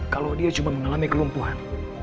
kalau dia cuma mengalami kelumpuhan